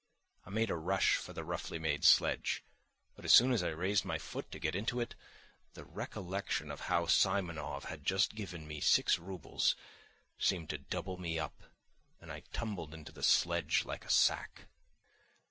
I made a rush for the roughly made sledge; but as soon as I raised my foot to get into it, the recollection of how Simonov had just given me six roubles seemed to double me up and I tumbled into the sledge like a sack.